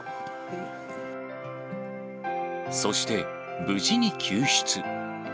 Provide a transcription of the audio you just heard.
そして、無事に救出。